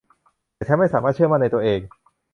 แต่ฉันไม่สามารถเชื่อมั่นในตัวเอง